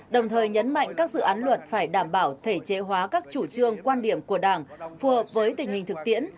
đồng thời nhấn mạnh các dự án luật phải đảm bảo thể chế hóa các chủ trương quan điểm của đảng phù hợp với tình hình thực tiễn